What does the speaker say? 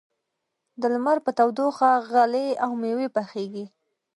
د لمر په تودوخه غلې او مېوې پخېږي.